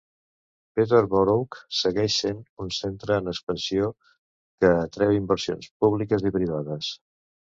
Peterborough segueix sent un centre en expansió que atreu inversions públiques i privades.